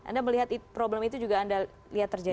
anda melihat problem itu juga anda lihat terjadi